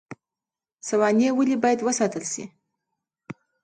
سوانح ولې باید وساتل شي؟